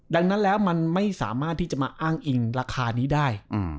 ดังนั้นแล้วมันไม่สามารถที่จะมาอ้างอิงราคานี้ได้